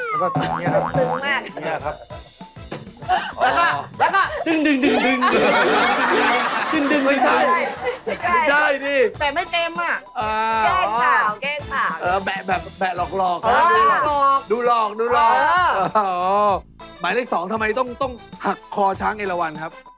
หมายเลขสามเวลาเริ่มฝึกต้องทำอย่างไรครับ